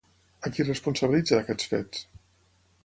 A qui responsabilitza d'aquests fets?